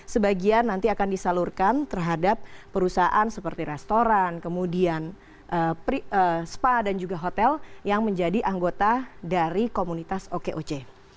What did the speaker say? sebagian nanti akan disalurkan terhadap perusahaan seperti restoran kemudian spa dan juga hotel yang menjadi anggota dari komunitas okoc